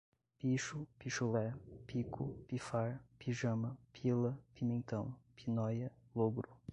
picho, pichulé, pico, pifar, pijama, pila, pimentão, pinóia, lôgro